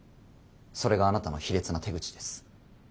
それがあなたの卑劣な手口です。